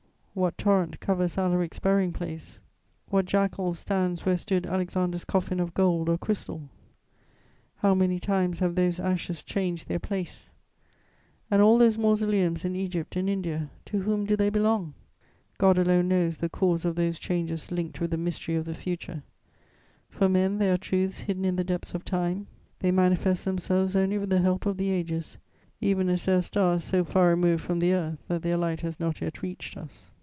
What torrent covers Alaric's burying place? What jackal stands where stood Alexander's coffin of gold or crystal? How many times have those ashes changed their place? And all those mausoleums in Egypt and India: to whom do they belong? God alone knows the cause of those changes linked with the mystery of the future: for men there are truths hidden in the depths of time; they manifest themselves only with the help of the ages, even as there are stars so far removed from the earth that their light has not yet reached us.